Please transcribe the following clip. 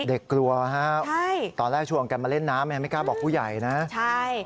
กลัวฮะตอนแรกชวนกันมาเล่นน้ำไม่กล้าบอกผู้ใหญ่นะใช่